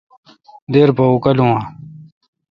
دیر پا اوکالوں ا۔